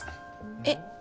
えっ？